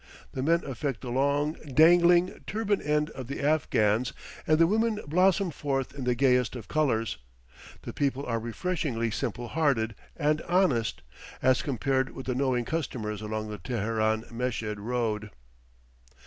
The men affect the long, dangling, turban end of the Afghans and the women blossom forth in the gayest of colors; the people are refreshingly simple hearted and honest, as compared with the knowing customers along the Teheran Meshed road.